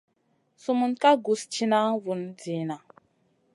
Sumun ka guss tìna vun zina.